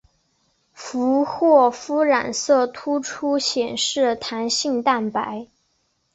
佛霍夫染色突出显示弹性蛋白。